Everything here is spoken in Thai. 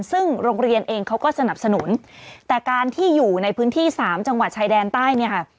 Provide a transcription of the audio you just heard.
ซึ่งโรงเรียนเองเขาก็สนับสนุนแต่การที่อยู่ในพื้นที่สามจังหวัดชายแดนใต้เนี่ยค่ะ